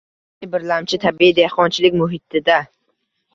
Ya'ni, birlamchi tabiiy dehqonchilik muhitida